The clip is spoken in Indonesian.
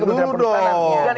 itu di kementerian kutana